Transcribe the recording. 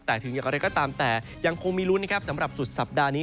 แต่ถึงอย่างไรก็ตามแต่ยังคงมีลุ้นนะครับสำหรับสุดสัปดาห์นี้